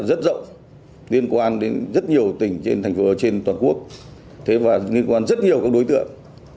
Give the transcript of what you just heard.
đối tượng liên quan đến rất nhiều tỉnh trên thành phố ở trên toàn quốc liên quan đến rất nhiều các đối tượng